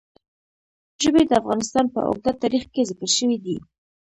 ژبې د افغانستان په اوږده تاریخ کې ذکر شوی دی.